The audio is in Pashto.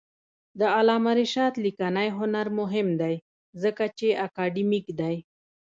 د علامه رشاد لیکنی هنر مهم دی ځکه چې اکاډمیک دی.